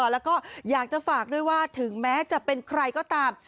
แล้วก็อยากจะฝากด้วยว่าถึงแม้จะเป็นใครก็ตาม